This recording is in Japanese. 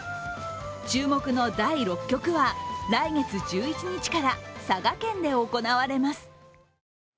注目の第６局は、来月１１日から佐賀県で行われます。